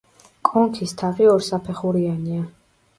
კონქის თაღი ორსაფეხურიანია.